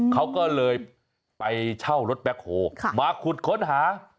เขาก็เลยไปเช่ารถแบ็คโฮมาขุดค้นหา